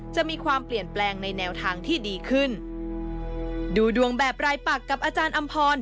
จะมีความเปลี่ยนแปลงในแนวทางที่ดีขึ้นดูดวงแบบรายปักกับอาจารย์อำพร